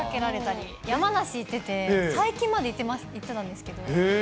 山梨に行ってて、最近まで行ってたんですけど。